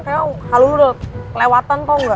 kayaknya hal lu udah lewatan tahu enggak